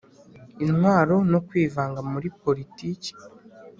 intwaro no kwivanga muri politiki